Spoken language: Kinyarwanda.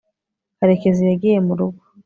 karekezi yagiye murugo